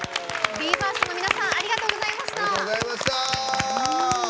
ＢＥ：ＦＩＲＳＴの皆さんありがとうございました。